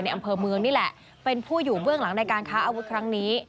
อำเภอเมืองนี่แหละเป็นผู้อยู่เบื้องหลังในการค้าอาวุธครั้งนี้